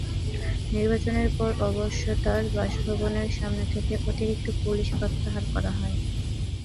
নির্বাচনের পরে অবশ্য তাঁর বাসভবনের সামনে থেকে অতিরিক্ত পুলিশ প্রত্যাহার করা হয়।